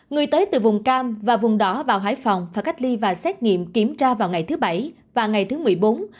người tới từ vùng cam và vùng đỏ vào hải phòng phải cách ly và xét nghiệm kiểm tra vào ngày thứ bảy và ngày thứ một mươi bốn